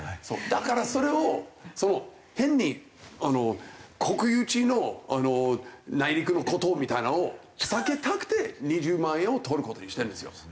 だからそれを変に国有地の内陸の孤島みたいなのを避けたくて２０万円を取る事にしてるんですよ。